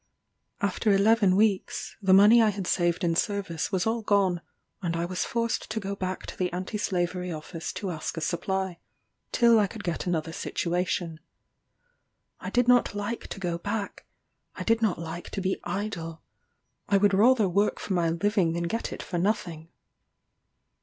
After eleven weeks, the money I had saved in service was all gone, and I was forced to go back to the Anti Slavery office to ask a supply, till I could get another situation. I did not like to go back I did not like to be idle. I would rather work for my living than get it for nothing.